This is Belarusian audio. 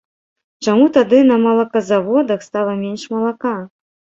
Чаму тады на малаказаводах стала менш малака?